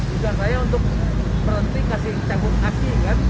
bukan saya untuk berhenti kasih cabut aki kan